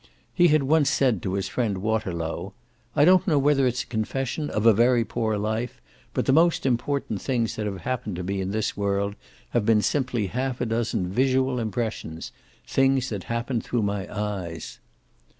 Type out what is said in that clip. He had once said to his friend Waterlow: "I don't know whether it's a confession of a very poor life, but the most important things that have happened to me in this world have been simply half a dozen visual impressions things that happened through my eyes."